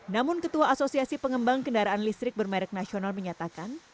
namun ketua asosiasi pengembang kendaraan listrik bermerek nasional menyatakan